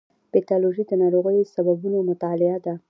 پیتالوژي د ناروغیو د سببونو مطالعه ده.